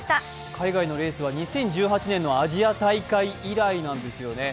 海外のレースは２０１８年のアジア大会以来なんですよね。